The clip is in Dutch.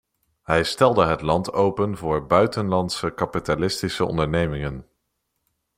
Hij stelde het land open voor buitenlandse kapitalistische ondernemingen.